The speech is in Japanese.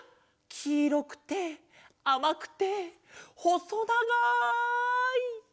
きいろくてあまくてほそながい。